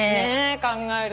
考えると。